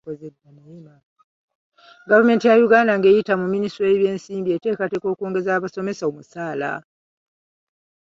Gavumenti ya Uganda ng'eyita mu minisitule y'ebyensimbi eteekateeka okwongeza abasomesa omusaala.